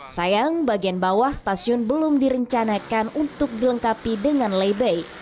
sayang bagian bawah stasiun belum direncanakan untuk dilengkapi dengan laybay